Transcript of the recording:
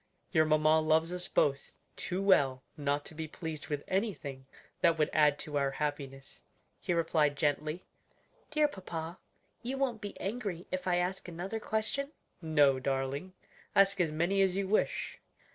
"Your mamma loves us both too well not to be pleased with anything that would add to our happiness," he replied gently. "Dear papa, you won't be angry if I ask another question?'"' "No, darling; ask as many as you wish."